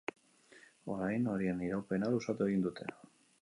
Orain, horien iraupena luzatu egin dute.